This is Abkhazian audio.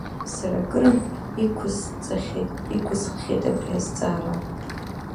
Сара акырынтә иқәысҵахьеит-иқәысххьеит абри азҵаара…